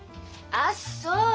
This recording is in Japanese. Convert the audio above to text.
あっそう！